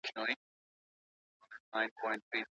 بيوزلو خلګو د واده لپاره تکليفونه وګالل.